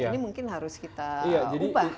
ini mungkin harus kita ubah